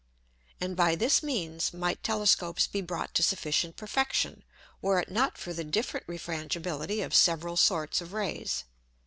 And by this means might Telescopes be brought to sufficient perfection, were it not for the different Refrangibility of several sorts of Rays.